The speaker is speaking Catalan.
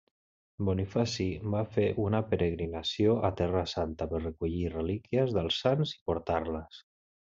Bonifaci va fer una peregrinació a Terra Santa per recollir relíquies dels sants i portar-les.